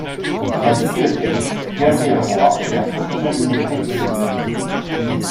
La Bibliothèque Gabrielle-Roy est la principale bibliothèque du réseau.